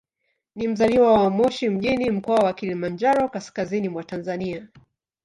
Ni mzaliwa wa Moshi mjini, Mkoa wa Kilimanjaro, kaskazini mwa Tanzania.